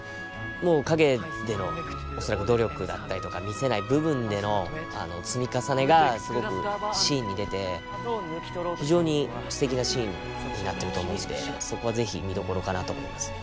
もう陰での努力だったりとか見せない部分での積み重ねがすごくシーンに出て非常にすてきなシーンになってると思うんでそこは是非見どころかなと思いますね。